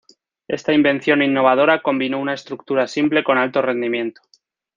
Esta invención innovadora combinó una estructura simple con alto rendimiento.